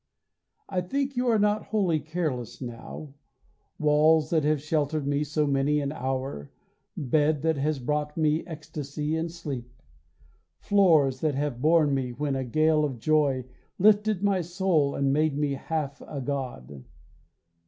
I think you are not wholly careless now, Walls that have sheltered me so many an hour, Bed that has brought me ecstasy and sleep, Floors that have borne me when a gale of joy Lifted my soul and made me half a god.